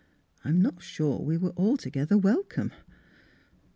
"I'm not sure we were altogether wel come.